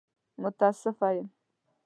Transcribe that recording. متاسفه يم!